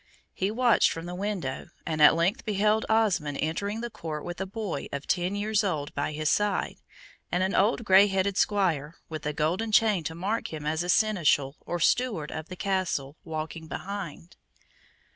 He watched from the window, and at length beheld Osmond entering the court with a boy of ten years old by his side, and an old grey headed Squire, with a golden chain to mark him as a Seneschal or Steward of the Castle, walking behind.